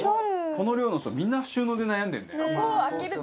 この寮の人みんな収納で悩んでるね。